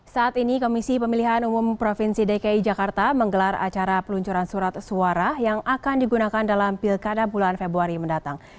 saat ini komisi pemilihan umum provinsi dki jakarta menggelar acara peluncuran surat suara yang akan digunakan dalam pilkada bulan februari mendatang